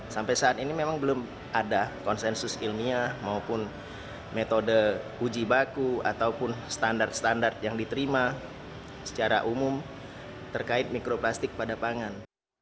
sampai saat ini memang belum ada konsensus ilmiah maupun metode uji baku ataupun standar standar yang diterima secara umum terkait mikroplastik pada pangan